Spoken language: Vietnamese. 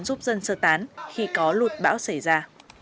giúp dân sơ tán khi có lụt bão xảy ra